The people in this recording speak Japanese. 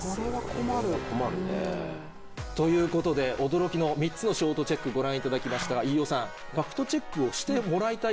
困るね。ということで驚きの３つのショートチェックご覧いただきましたが飯尾さん。何かありますか？